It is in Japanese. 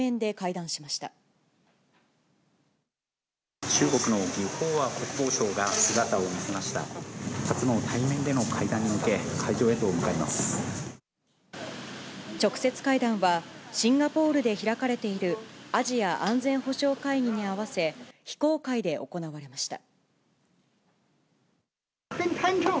初の対面での会談に向け、直接会談は、シンガポールで開かれているアジア安全保障会議に合わせ、非公開で行われました。